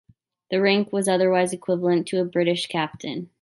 The rank was otherwise equivalent to a British captain.